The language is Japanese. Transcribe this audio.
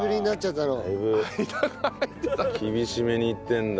だいぶ厳しめにいってるんだ。